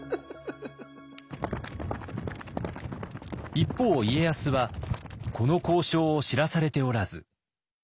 一方家康はこの交渉を知らされておらず。